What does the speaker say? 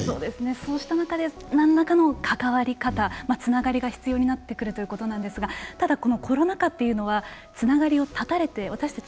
そうした中で何らかの関わり方つながりが必要になってくるということなんですがただ、コロナ禍というのはつながりを断たれて私たち